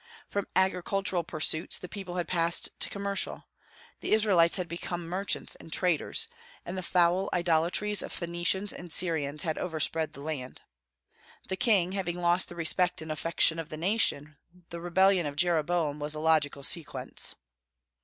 From agricultural pursuits the people had passed to commercial; the Israelites had become merchants and traders, and the foul idolatries of Phoenicians and Syrians had overspread the land. The king having lost the respect and affection of the nation, the rebellion of Jeroboam was a logical sequence.